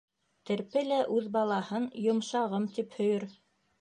Терпе лә үҙ балаһын «йомшағым» тип һөйөр.